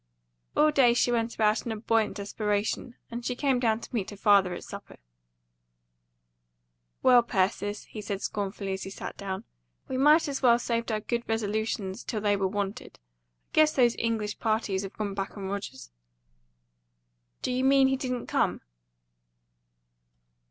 All day she went about in a buoyant desperation, and she came down to meet her father at supper. "Well, Persis," he said scornfully, as he sat down, "we might as well saved our good resolutions till they were wanted. I guess those English parties have gone back on Rogers." "Do you mean he didn't come?"